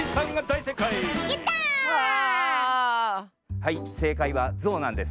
はいせかいは「ゾウ」なんです。